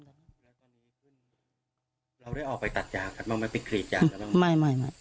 เราได้ออกไปตัดยางแต่ไม่มีไปกรีดยาง